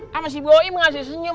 sama si boim ngasih senyum